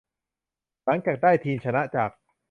หลังจากได้ทีมชนะจาก